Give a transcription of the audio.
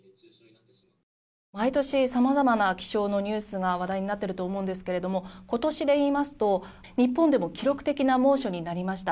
毎年様々な気象のニュースが話題になっていると思うんですけれども今年でいいますと、日本でも記録的な猛暑になりました。